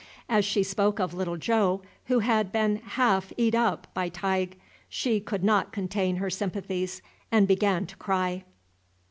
As she spoke of little Jo, who had been "haaf eat up" by Tige, she could not contain her sympathies, and began to cry.